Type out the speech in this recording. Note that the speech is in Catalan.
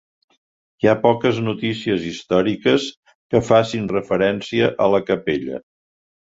Hi ha poques notícies històriques que facin referència a la capella.